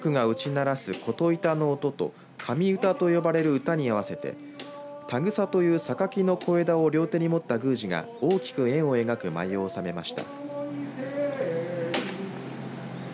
そして神職が打ち鳴らす琴板の音と神歌と呼ばれる歌に合わせて手草という、さかきの小枝を両手に持った宮司が大きく円を描く舞を納めました。